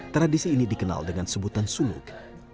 tradisi ini dikenal dengan sebutan suluk